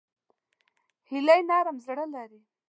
هیلۍ نرم زړه لري